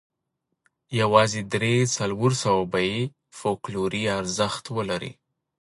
یوازې درې څلور سوه به یې فوکلوري ارزښت ولري.